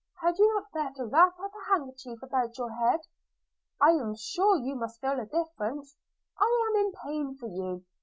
Had you not better wrap a handkerchief about your head? – I am sure you must feel a difference – I am in pain for you!